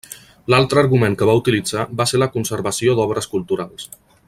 L'altre argument que va utilitzar va ser la conservació d'obres culturals.